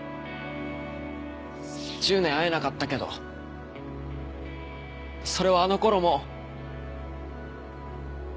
１０年会えなかったけどそれはあのころも今も全然変わらねえ。